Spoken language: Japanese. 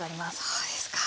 そうですか。